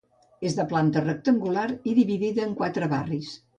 És de planta rectangular i dividida en quatre barris.